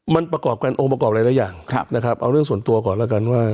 มันประกอบกันองค์ประกอบหลายอย่างนะครับเอาเรื่องส่วนตัวก่อนแล้วกันว่า